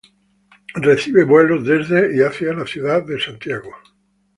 Recibe vuelos desde y hacia la ciudad de Santiago.